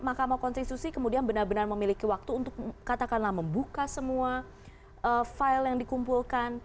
mahkamah konstitusi kemudian benar benar memiliki waktu untuk katakanlah membuka semua file yang dikumpulkan